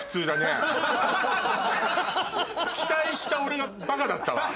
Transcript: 期待した俺がバカだったわ。